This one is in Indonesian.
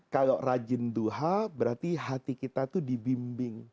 kalau rajin duha berarti hati kita itu dibimbing